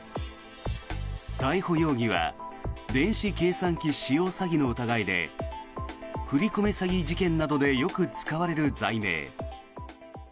逮捕容疑は電子計算機使用詐欺の疑いで振り込め詐欺事件などでよく使われる罪名。